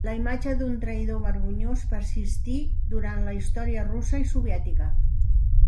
La imatge d'un traïdor vergonyós persistí durant la història russa i soviètica.